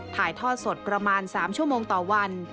ถ่ายทอดสดประมาณ๓ชั่วโมงต่อวัน